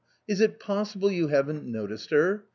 is it possible you haven't noticed her